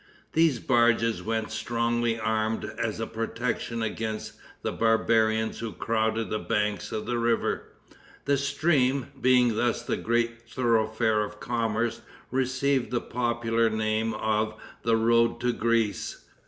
These barges went strongly armed as a protection against the barbarians who crowded the banks of the river. The stream, being thus the great thoroughfare of commerce, received the popular name of The Road to Greece.